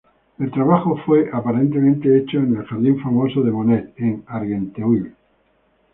El trabajo fue aparentemente hecho en el jardín famoso de Monet en Argenteuil.